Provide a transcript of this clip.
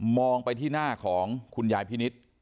องไปที่หน้าของคุณยายพินิษฐ์